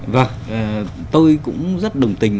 vâng tôi cũng rất đồng tình